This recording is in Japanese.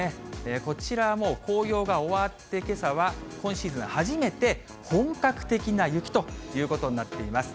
こちらはもう、紅葉が終わってけさは今シーズン初めて、本格的な雪ということになっています。